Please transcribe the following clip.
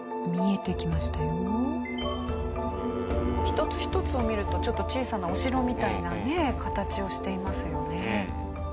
一つ一つを見るとちょっと小さなお城みたいなね形をしていますよね。